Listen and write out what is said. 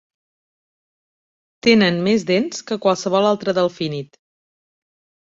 Tenen més dents que qualsevol altre delfínid.